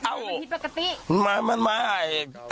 ไปที่อาวุธมันที่ปกติ